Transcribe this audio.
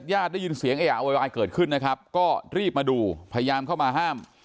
ญาติได้ยินเสียงเออะโวยวายเกิดขึ้นนะครับก็รีบมาดูพยายามเข้ามาห้าม